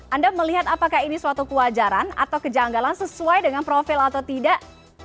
anda melihat apakah ini suatu kewajaran atau kejanggalan sesuai dengan profil atau tidak